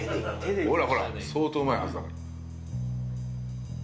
ほらほら、相当うまいはずだ。